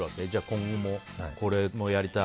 今後もあれもやりたい